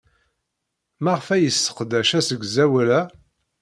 Maɣef ay yesseqdac asegzawal-a?